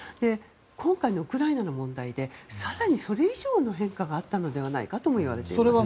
今回のウクライナの問題で更に、それ以上の変化があったのではないかといわれています。